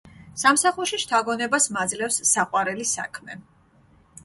სამსახურში შთაგონებას მაძლევს საყვარელი საქმე